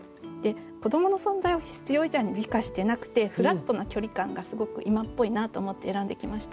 子どもの存在を必要以上に美化してなくてフラットな距離感がすごく今っぽいなと思って選んできました。